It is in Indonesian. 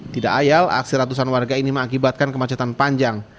tidak ayal aksi ratusan warga ini mengakibatkan kemacetan panjang